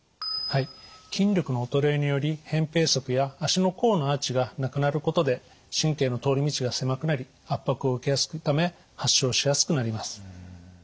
はい筋力の衰えにより扁平足や足の甲のアーチがなくなることで神経の通り道が狭くなり圧迫を受けやすいため発症しやすくなります。